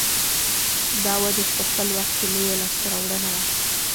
دا وده چې په خپل وخت کې لویه لاسته راوړنه وه